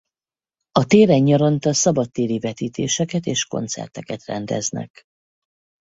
A téren nyaranta szabadtéri vetítéseket és koncerteket rendeznek.